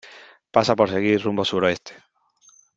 pasa por seguir rumbo suroeste .